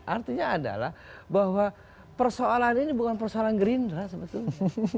artinya adalah bahwa persoalan ini bukan persoalan gerindra sebetulnya